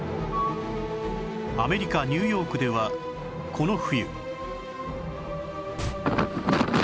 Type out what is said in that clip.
アメリカニューヨークではこの冬